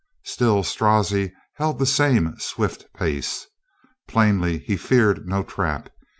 Still Strozzi held the same swift pace. Plainly he feared no trap.